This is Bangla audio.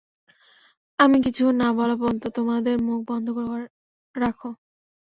আমি কিছু না বলা পর্যন্ত, তোমাদের মুখ বন্ধ রাখো।